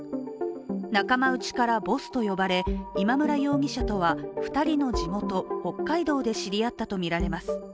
仲間内からボスと呼ばれ、今村容疑者とは２人の地元・北海道で知り合ったとみられます。